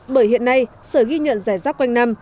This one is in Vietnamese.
bởi hiện nay sởi ghi nhận rẻ rác quanh năm